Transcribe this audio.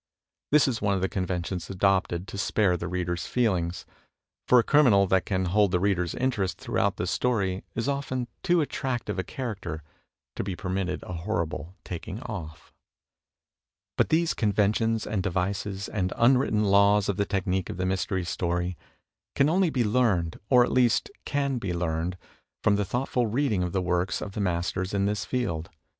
This is one of the conven tions adopted to spare the reader's feelings. For a criminal that can hold the reader's interest throughout the story is often too attractive a character to be permitted a horrible taking off. But these conventions and devices and unwritten laws of the technique of the Mystery Story can only be learned — or, at least, can best be learned — from the thoughtful reading of the works of the masters in this field.